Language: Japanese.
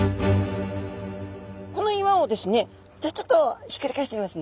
この岩をですねじゃあちょっとひっくり返してみますね。